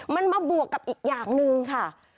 มันมาบวกกับอีกอย่างหนึ่งค่ะ